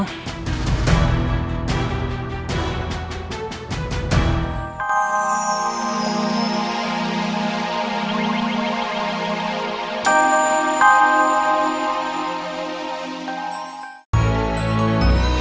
harga diri aku